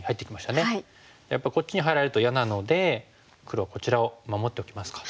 やっぱりこっちに入られると嫌なので黒はこちらを守っておきますか。